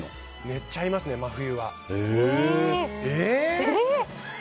寝ちゃいますね、真冬は。